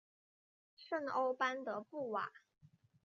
圣欧班德布瓦。